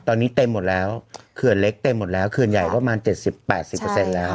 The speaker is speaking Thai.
ตอนนี้เต็มหมดแล้วเคือนเล็กเต็มหมดแล้วเคือนใหญ่ประมาณเจ็ดสิบแปดสิบเปอร์เซ็นต์แล้ว